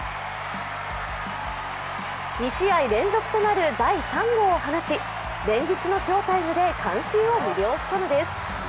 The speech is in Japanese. ２試合連続となる第３号を放ち、連日の翔タイムで観衆を魅了したのです。